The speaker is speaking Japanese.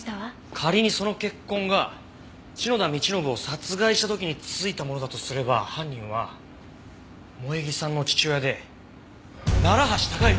仮にその血痕が篠田道信を殺害した時に付いたものだとすれば犯人は萌衣さんの父親で楢橋高行！